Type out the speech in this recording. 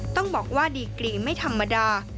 ต้องบอกว่าดีกรีไม่ธรรมดา